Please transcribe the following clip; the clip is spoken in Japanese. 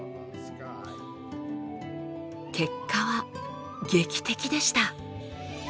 結果は劇的でした。